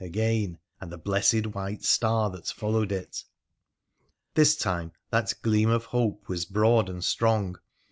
again, and the blessed white star that followed it. This time that gleam of hope was broad and strong.